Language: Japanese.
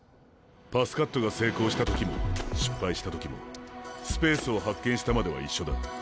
パスカットが成功した時も失敗した時もスペースを発見したまでは一緒だ。